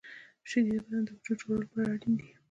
• شیدې د بدن د حجرو د جوړولو لپاره اړینې دي.